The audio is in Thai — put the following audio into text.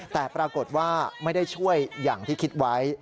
แต่ปรากฏว่าไม่ได้ช่วยอย่างที่คิดไว้